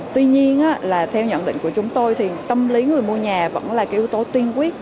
tuy nhiên là theo nhận định của chúng tôi thì tâm lý người mua nhà vẫn là cái yếu tố tiên quyết